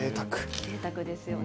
ぜいたくですよね。